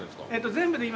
全部で今。